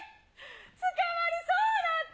捕まりそうになった。